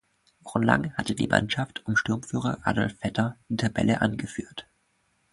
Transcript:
Wochenlang hatte die Mannschaft um Sturmführer Adolf Vetter die Tabelle angeführt.